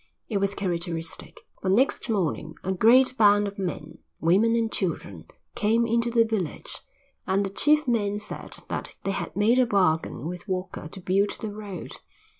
It was characteristic. For next morning a great band of men, women, and children came into the village and the chief men said that they had made a bargain with Walker to build the road.